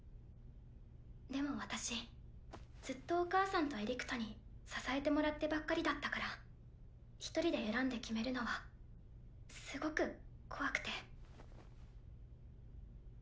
・でも私ずっとお母さんとエリクトに・支えてもらってばっかりだったから・一人で選んで決めるのはすごく怖くて。